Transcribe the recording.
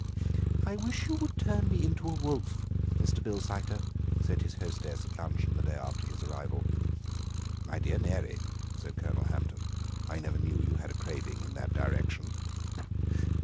"I wish you would turn me into a wolf, Mr. Bilsiter," said his hostess at luncheon the day after his arrival. "My dear Mary," said Colonel Hampton, "I never knew you had a craving in that direction."